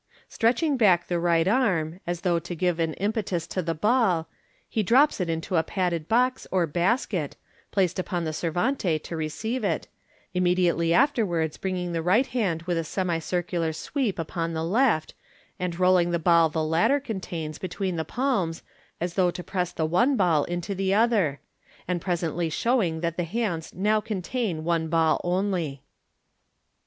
Stretching back the right arm, as though to give an impetus to the ball, he drops it into a padded box, or basket, placed upon the servante to receive it, immediately afterwards bringing the right hand with a semicircular sweep upon the left, and rolling the ball the latter contains between the palms, as though to press the one ball into the other j and presently showing that the hands now contain one ball only.